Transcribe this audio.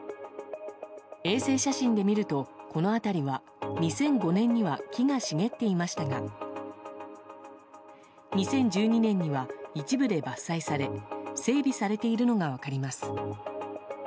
衛星写真で見ると、この辺りは２００５年には木が茂っていましたが２０１２年には一部で伐採され整備されているのが分かります。